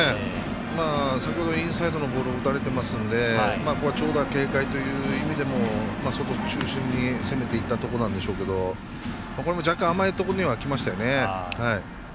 先ほどインサイドのボールを打たれてますので長打警戒という意味でもそこを中心に攻めていったところなんでしょうけれど若干、甘いところにきましたよね。